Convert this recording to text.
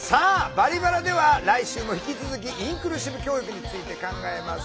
「バリバラ」では来週も引き続きインクルーシブ教育について考えます。